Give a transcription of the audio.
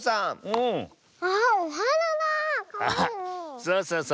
そうそうそう。